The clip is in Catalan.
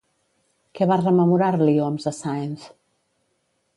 Què va rememorar-li Homs a Sáenz?